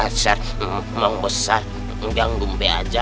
terserah mau besar jangan lupa aja